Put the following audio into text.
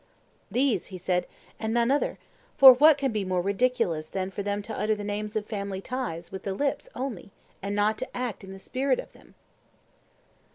These, he said, and none other; for what can be more ridiculous than for them to utter the names of family ties with the lips only and not to act in the spirit of them?